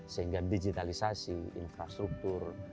sehingga digitalisasi infrastruktur